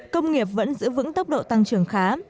công nghiệp vẫn giữ vững tốc độ tăng trưởng khá